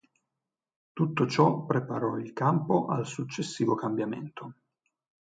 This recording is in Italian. Tutto ciò preparò il campo al successivo cambiamento.